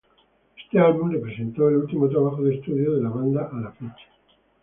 Este álbum representó el último trabajo de estudio de la banda a la fecha.